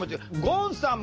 ゴンさん！